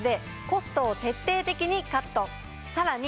さらに。